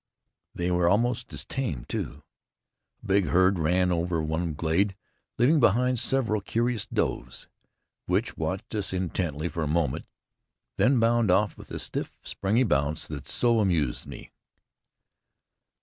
They were almost as tame, too. A big herd ran out of one glade, leaving behind several curious does, which watched us intently for a moment, then bounded off with the stiff, springy bounce that so amused me.